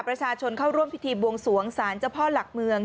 ประชาชนเข้าร่วมพิธีบวงสวงศาลเจ้าพ่อหลักเมือง